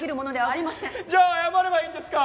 じゃあ謝ればいいんですか？